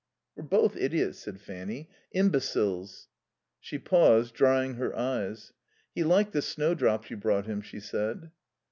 "We're both idiots," said Fanny. "Imbeciles." She paused, drying her eyes. "He liked the snowdrops you brought him," she said.